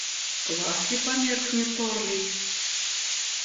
Глаз ли померкнет орлий?